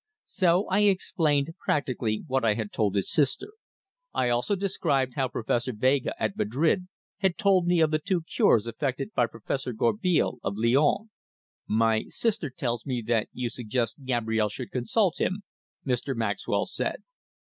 So I explained practically what I had told his sister. I also described how Professor Vega at Madrid had told me of the two cures effected by Professor Gourbeil, of Lyons. "My sister tells me that you suggest Gabrielle should consult him," Mr. Maxwell said.